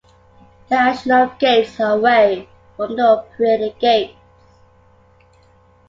The additional gates are away from the operating gates.